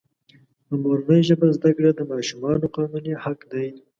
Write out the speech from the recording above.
په مورنۍ ژبه زده کړه دماشومانو قانوني حق دی.